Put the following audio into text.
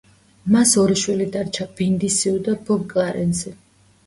მას ორი შვილი დარჩა, ბინდი სიუ და ბობ კლარენსი.